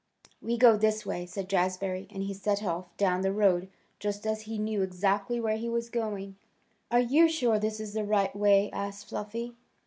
"We go this way," said Jazbury, and he set off down the road just as if he knew exactly where he was going. "Are you sure this is the right way?" asked Fluffy.